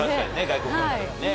外国の方にね。